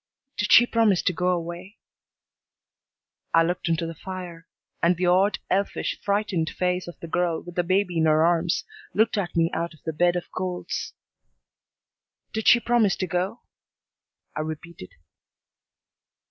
"Did she promise to go away?" I looked into the fire, and the odd, elfish, frightened face of the girl with the baby in her arms looked at me out of the bed of coals. "Did she promise to go?" I repeated.